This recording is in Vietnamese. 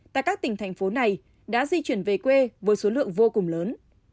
tại các tỉnh thành phố này đã di chuyển về quê với số lượng vô cùng lớn